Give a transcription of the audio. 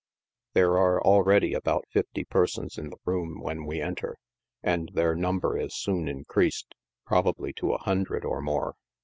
There are already about fifty persons in the room when we enter, and their number is soon in creased, probably to a hundred or more.